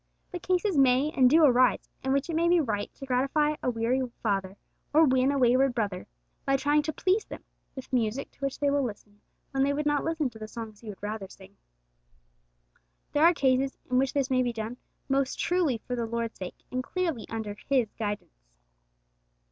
But cases may and do arise in which it may be right to gratify a weary father, or win a wayward brother, by trying to please them with music to which they will listen when they would not listen to the songs you would rather sing. There are cases in which this may be done most truly for the Lord's sake, and clearly under His guidance.